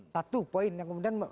satu poin yang kemudian